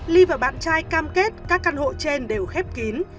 ly và bạn trai cam kết các căn hộ trên đều khép kín